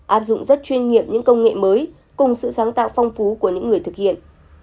áp dụng rất chuyên nghiệp những công nghệ mới cùng sự sáng tạo phong phú của những người thực hiện